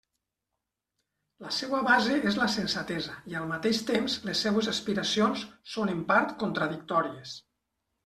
La seua base és la sensatesa i al mateix temps les seues aspiracions són en part contradictòries.